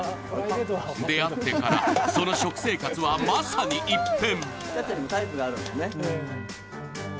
出会ってから、その食生活はまさに一変。